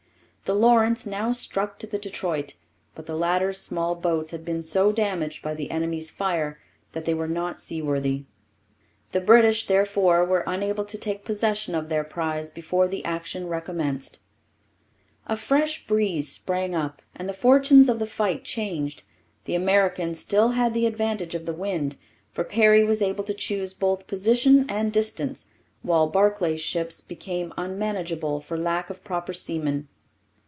The Lawrence now struck to the Detroit, but the latter's small boats had been so damaged by the enemy's fire that they were not seaworthy, The British, therefore, were unable to take possession of their prize before the action recommenced. A fresh breeze sprang up, and the fortunes of the fight changed. The Americans still had the advantage of the wind, for Perry was able to choose both position and distance, while Barclay's ships became unmanageable for lack of proper seamen.